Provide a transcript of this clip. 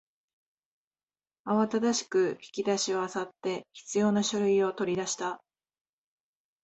慌ただしく引き出しを漁って必要な書類を取り出した